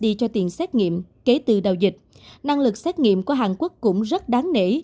đi cho tiền xét nghiệm kể từ đầu dịch năng lực xét nghiệm của hàn quốc cũng rất đáng nể